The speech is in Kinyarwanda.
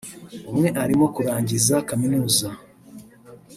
umwe arimo kurangiza kaminuza